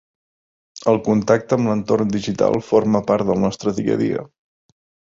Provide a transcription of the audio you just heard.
El contacte amb l'entorn digital forma part del nostre dia a dia.